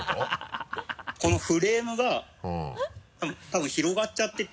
このフレームが多分広がっちゃってて。